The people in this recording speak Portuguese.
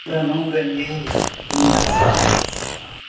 Ainda não ganhei minhas asas.